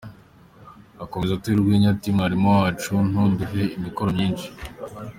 akomeza atera urwenya ati “Mwarimu wacu, ntuduhe imikoro myinshi.